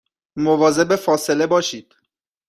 مواظب فاصله باشید